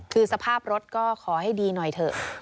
คือสภาพรถก็ขอให้ดีหน่อยเถอะ